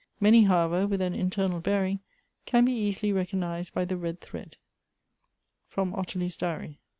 Many, however, with an internal bearing, can be easily recog nized by the red thread. FROM ottilie's DIAEY.